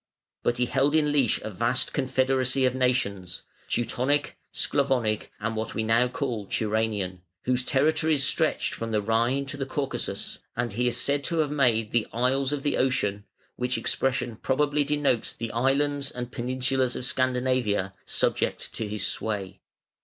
But he held in leash a vast confederacy of nations Teutonic, Sclavonic, and what we now call Turanian, whose territories stretched from the Rhine to the Caucasus, and he is said to have made "the isles of the Ocean", which expression probably denotes the islands and peninsulas of Scandinavia, subject to his sway.